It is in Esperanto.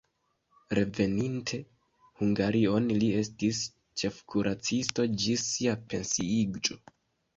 Reveninte Hungarion li estis ĉefkuracisto ĝis sia pensiiĝo.